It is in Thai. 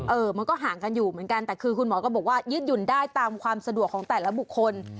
มันก็ห่างกันอยู่เหมือนกันแต่คือคุณหมอก็บอกว่ายืดหยุ่นได้ตามความสะดวกของแต่ละบุคคล